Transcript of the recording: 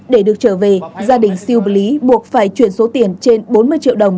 để được trở về gia đình siêu bí buộc phải chuyển số tiền trên bốn mươi triệu đồng